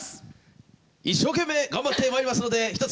一生懸命頑張ってまいりますので、一つ。